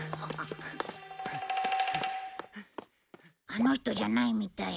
あの人じゃないみたい。